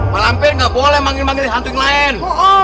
malampir gak boleh manggil manggil hantu yang lain